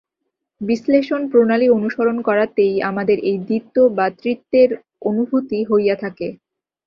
বিশ্লেষণ-প্রণালী অনুসরণ করাতেই আমাদের এই দ্বিত্ব বা ত্রিত্বের অনুভূতি হইয়া থাকে।